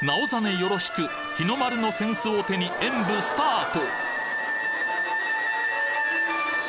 よろしく日の丸の扇子を手に演舞スタート！